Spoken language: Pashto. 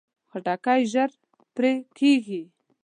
خټکی ژر پرې کېږي.